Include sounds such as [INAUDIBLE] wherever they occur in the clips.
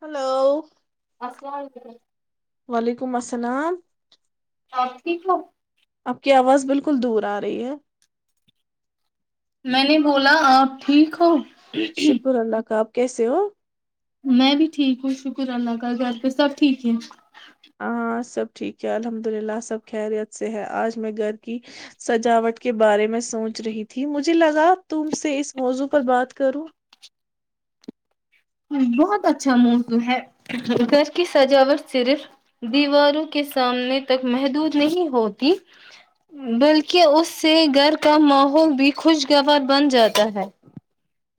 Hello السلام علیکم وعلیکم السلام ٹھیک ہے آپ کی آواز بالکل دور آ رہی ہے میں نے بولا آپ ٹھیک ہو شپور اللہ کاپ کیسے ہو میں بھی ٹھیک ہوں شکر اللہ کا گھر پہ سب ٹھیک ہے ہاں سب ٹھیک ہے الحمد للہ سب خیریت سے ہے آج میں گھر کی سجاوٹ کے بارے میں سوچ رہی تھی مجھے لگا تم سے اس موضوع پر بات کروں بہت اچھا موسم ہے گھر کی سجاوٹ صرف دیواروں کے سامنے تک محدود نہیں ہوتی بلکہ اس سے گھر کا ماحول بھی خوشگوار بن جاتا ہے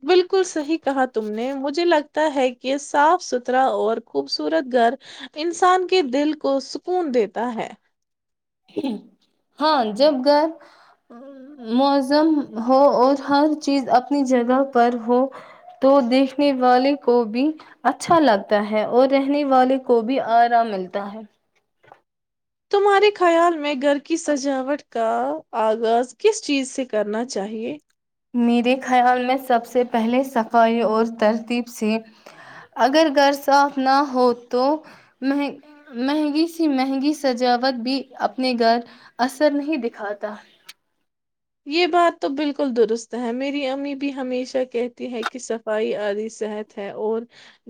بالکل صحیح کہا تھا تم نے مجھے لگتا ہے کہ صاف ستھرا اور خوبصورت گھر انسان کے دل کو سکون دیتا ہے ہاں جب گر موزم ہو اور ہر چیز اپنی جگہ پر ہو تو دیکھنے والے کو بھی اچھا لگتا ہے اور رہنے والے کو بھی آرام ملتا ہے تمہارے خیال میں گھر کی سجاوٹ کا آغاز کس چیز سے کرنا چاہیئے میرے خیال میں سب سے پہلے صفائی اور ترتیب سے اگر گھر صاف نہ ہو تو م مہنگی سی مہنگی سجاوٹ بھی اپنے گھر اثر نہیں دکھاتا یہ بات تو بالکل درست ہے میری امی بھی ہمیشہ کہتی ہے کہ صفائی آدی صحت ہے اور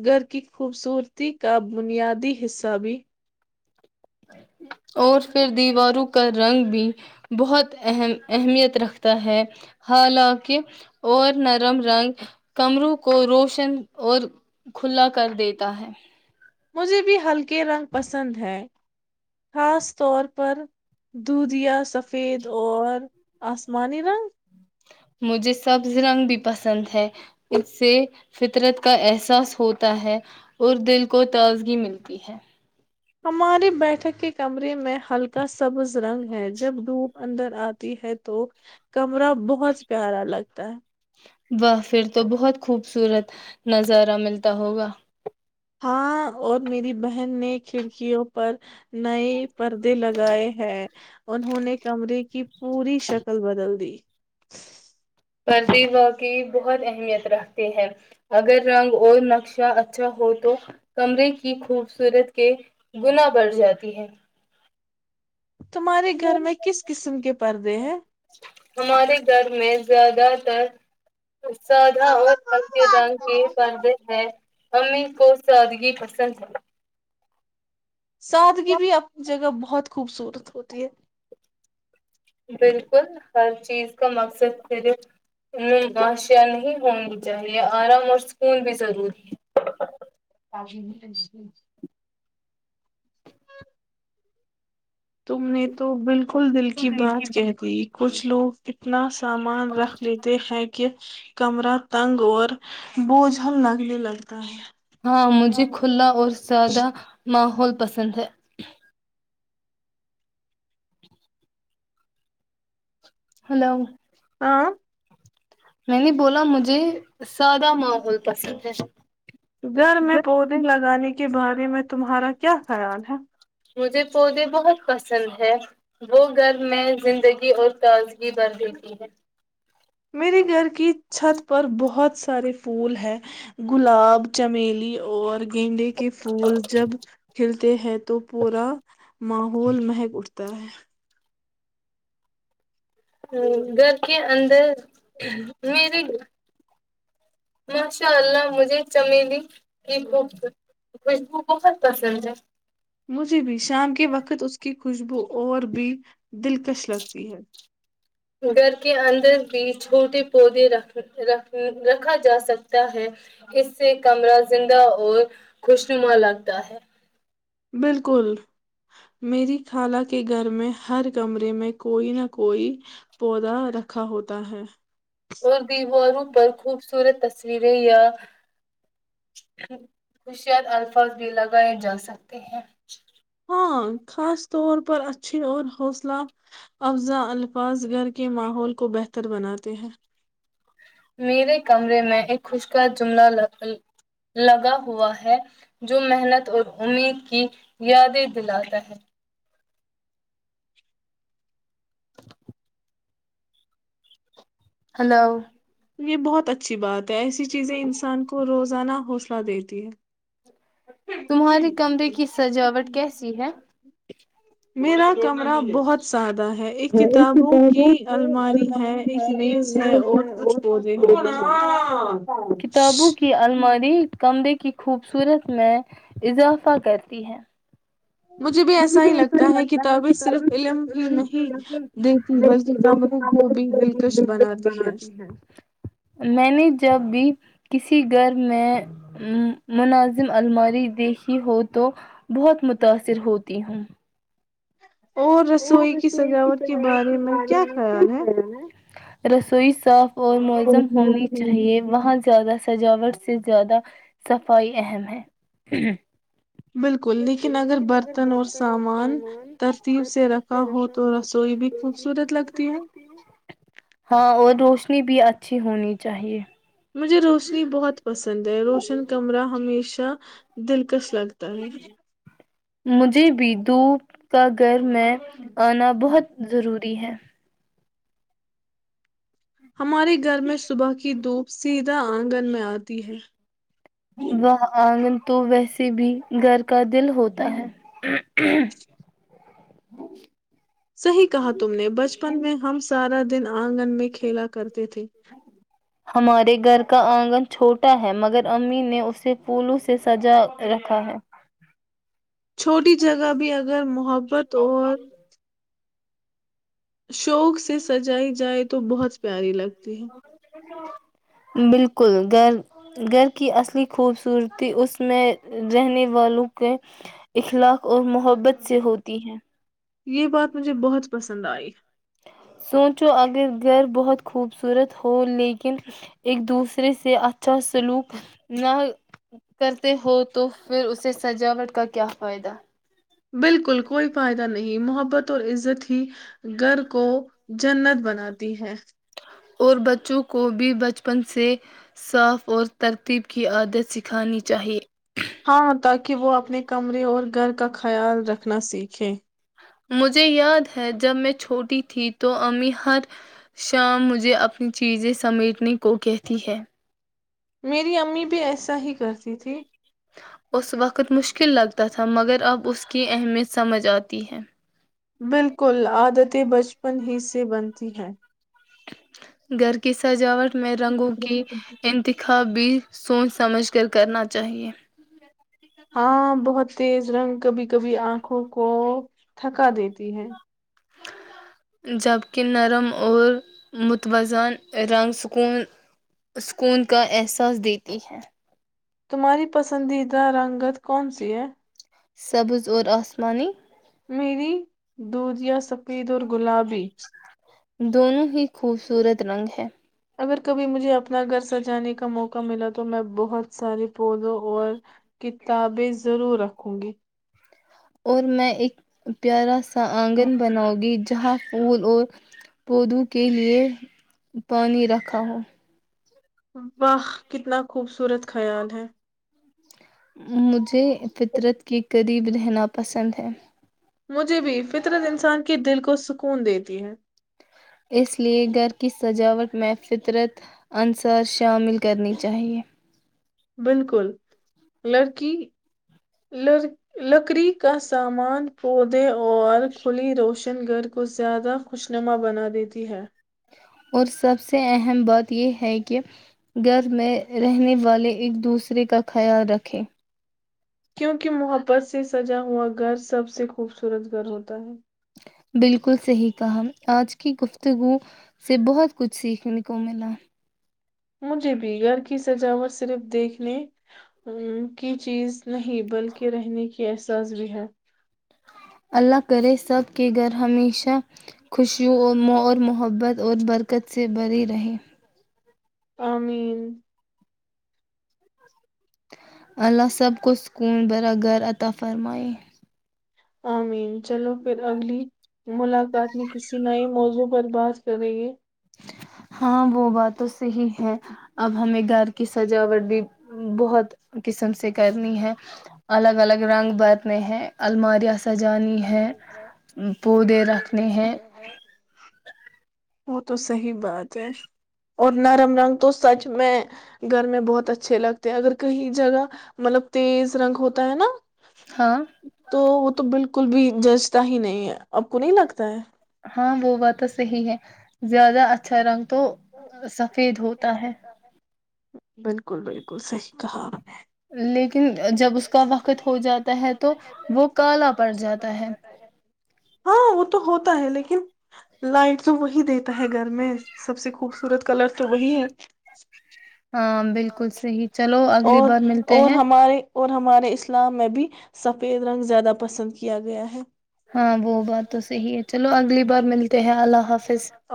گھر کی خوبصورتی کا بنیادی حصہ بھی [INAUDIBLE] اور پھر دیوارو کر رنگ بھی بہت ام اہمیت رکھتا ہے حالانکہ اور نرم رنگ کمروں کو روشن اور کھلا کر دیتا ہے مجھے بھی ہلکے رنگ پسند ہیں خاص طور پر دودھیا سفید اور آسمانی رنگ مجھے سبز رنگ بھی پسند ہے اس سے فطرت کا احساس ہوتا ہے اور دل کو تازگی ملتی ہے ہمارے بیٹھک کے کمرے میں ہلکا سبز رنگ ہے جب دھوپ اندر آتی ہے تو کمرہ بہت پیارا لگتا ہے واہ پھر تو بہت خوبصورت نظارہ ملتا ہوگا ہاں اور میری بہن نے کھڑکیوں پر نئے پردے لگائے ہیں انہوں نے کمرے کی پوری شکل بدل دی پردی وا کیع بہت اہمیت رکھتے ہیں اگر رنگ اور نقشہ اچھا ہو تو کمرے کی خوبصورت کے گنااہ بڑھ جاتی ہے تمہارے گھر میں کس قسم کے پردے ہیں؟ ہمارے گھر میں زیادہ تر سادہ اور رنگ کے بند ہیں امی کو ادگ پسندس سد کی بھی اپنی جگہ بہت خوبصورت ہوتی ہے بالکل ہر چیز کا مقصد صرف اناشیا نہیں ہونی چاہیے آرام اور سکون بھی ضروری ہے نہیں ل تم نے تو بالکل بالکل دل کی بات کہتی کچھ لوگ اتنا سامان رکھ لیتے ہیں کہ کمرہ تنگ اور بوجھل لگنے لگتا ہے ہاں مجھے کھلا اور زیادہ ماحول پسند ہے ہلو ہاں میں نہیں بولا مجھے سادہ ماحول پسند ہے گھر میں پودے لگانے کے کے بارے میں تمہارا کیا خیال ہے مجھے پودے بہت پسند ہے وہ گھر میں زندگی اور تازگی بھر دیتی ہے میرے گھر کی چھت پر بہت سارے پھول ہیں گلاب چمیلی اور گینڈے کے پھول جب کھلتے ہیں تو پورا ماحول مہک اٹھتا تو ہ گھر کے اندر مری ماشاء اللہ مجھے چمیلی کی ب خوشبو بہت پسند ہے مجھے بھی شام کے وقت اس کی خوشبو اور بھی دلکش لگتی ہے گھر کے اندر بھی چھوٹے پودے رکھ رکھ رکھا جا سکتا ہے اس سے کمرہ زندہ اور خوشنما لگتا ہے بالکل میری خالہ کے گھر میں ہر کمرے میں کوئی نہ کوئی پودا رکھا ہوتا ہے اور دی وو پر خوبصورت ت تصویریں یا خوشیات الفاظ بھی لگائے جا سکتے ہیں ہاں خاص طور پر اچھے اور حوصلہ افزا الفاظ گھر کے ماحول کو بہتر بناتے ہیں میرے کمرے میں ایک خشک جملہ لگا ہوا ہے جو محنت اور امید کی یادیں دلاتا ہے [INAUDIBLE] ہلو یہ بہت اچھی بات ہے ایسی چیزیں انسان کو روزانہ حوصلہ دیتی ہے تمہارے کمرے کی سجاوٹ کیسی ہے میرا کمر بہت ساد کتابوں کی الماری ہے اس میں اور کھ کتابوں کی الماری کمرے کی خوبصورت میں اضافہ کرتی ہے مجھے بھی ایسا ہی لگتا ہے کتابیں صرف علم بی ہے میں نے جب بھی کسی گھر میں مناظم الماری دیکھی ہو تو بہت متاثر ہوتی ہوں اور رسوئی کی سجاوٹ کے بارے میں کیا خیال ہے رسوئی صاف اور موزم ہونی چاہیے وہاں زیادہ سجاوٹ سے زیادہ صفائی اہم ہے بالکل لیکن اگر برتن اور سامان ترتیب سے رکھا ہو تو رسوئی بھی خوبصورت لگتی ہے کنی بھی اچھی ہونی چاہیے مجھے روشنی بہت پسند ہے روشن کمرہ ہمیشہ دلکش لگتا ہے مجھے بھی دھوپ کا گھر میں آنا بہت ضروری ہے ہمارے گھر میں صبح کی دھوپ سیدھا آنگن میں آتی ہے تو ویسے بھی گھر کا دل ہوتا ہے صیح کہا تم نے بچپن میں ہم سے سارا دن آنگن میں کھیلا کرتے تھے ہمارے گھر کا آنگن چھوٹا ہے مگر امی نے اسے پھولو سے سجا رکھا ہے چھوٹی جگہ بھی اگر محبت اور شوق سے سجائی جائے تو بہت پیاری لگتی ہے بالکل گھر گھر کی اصلی خوبصورتی اس میں رہنے والوں کے اخلاق اور محبت سے ہوتی ہے یہ بات مجھے بہت پسند آئی سوچو اگر گھر بہت خوبصورت ہو لیکن ایک دوسرے سے اچھا سلوک نہ کرتے ہو تو پھر اسے سجاوٹ کا کیا فائدہ بالکل کوئی فائدہ نہیں، محبت اور عزت ہی گر کو جنت بناتی ہے اور بچوں کو بھی بچپن سے صاف اور ترتیب کی عادت سکھانی چاہیے ہاں تاکہ وہ اپنے کمرے اور گھر کا خیال رکھنا سیکھیں مجھے یاد ہے جب میں چھوٹی تھی تو امی ہر شام مجھے اپنی چیزیں سمیٹنے کو کہتی ہے میری امی بھی ایسا ہی کرتی تھی اس وقت مشکل لگتا تھا مگر اب اس کی اہمیت سمجھ آتی ہے بالکل عادتیں بچپن ہی سے بنتی ہیں گھر کی سجاوٹ میں رنگوں کی انتخاب بھی سوچ سمجھ کر کرنا چاہیے ہاں بہت تیز رنگ کبھی کبھی آنکھوں کو تھکا دیتی ہے جبکہ نرم اور متوزن رنگ سکون کا احساس دیتی ہے تمہاری پسندیدہ رنگت کون سی ہے سبز اور آسمانے میری دودیا سفید اور گلابی دونوں ہی خوبصورت رنگ ہے اگر کبھی مجھے اپنا گھر سجانے کا موقع ملا تو میں بہت سارے پودوں اور کتابیں ضرور رکھوں گی اور میں ایک پیارا آنگن بناؤ گی جہاں پھول اور پودوں کے لیے پانی رکھا ہو واہ کتنا خوبصورت خیال ہے مجھے فطرت کے قریب رہنا پسند ہے مجھے بھی فطرت انسان کے دل کو سکون دیتی ہے اس لے گھر کی سجاوٹ میں فطرت انصار شامل کرنی چاہیے بالکل لڑکی لکڑی کا سامان پودے اور کھلی روشن گھر کو زیادہ خوشنما بنا دیتی ہے اور سب سے اہم بات یہ ہے کہ گھر میں رہنے والے ایک دوسرے کا خیال رکھے کیونکہ محبت سے سجا ہوا گھر سب سے خوبصورت گھر ہوتا ہے بالکل صحیح کہا آج کی گفتگو سے بہت کچھ سیکھنے کو ملا مجھے بھی گھر کی سجاوٹ صرف دیکھنے ا کی چیز نہیں بلکہ رہنے کی احساس بھی ہے اللہ کرے سب کے گھر ہمیشہ خوشیوں م اور محبت اور برکت سے بری رہے تمین اللہ سب کو سکون بر گر عطا فرمائے آمین چلو پھر اگلی ملاقات میں کسی نئے موضوع پر بات کریں گے ہاں وہ بات تو صحی ہے اب ہمیں گھر کی سجاوٹ بھی بہت قسم سے کرنی ہے الگ الگ رنگ برتنے ہیں الماریا سے سجانی ہے پودے رکھنے ہیں وہ تو صحی بات ہے اور نرم رنگ تو سچ میں گھر میں بہت اچھے لگتے ہیں اگر کہیں جگہ مطلب تیز رنگ ہوتا ہے نا تو وہ تو بالکل بالکل بھی ججتا ہی نہیں ہے آپ کو نہیں لگتا ہے ہاں وہ بات تو صحیح ہے زیادہ اچھا رنگ تو یک بالکل بالکل صحیح کہا لیکن جب اس کا وقت ہو جاتا ہے تو وہ کالا پڑ جاتا ہے ہے لیکن لائٹ تو وہی دیتا ہے گھر میں سب سے خوبصورت کلر تو وہی ہے ہاں بالکل صحیح چلو اگلی بار ملتے ہیں اور ہمارے اسلام میں بھی سفید رنگ زیادہ پسند کیا گیا ہے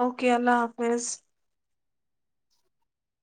اوکے اللہ حافظ